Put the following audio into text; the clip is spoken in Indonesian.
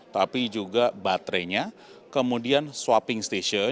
tapi juga baterainya kemudian swapping station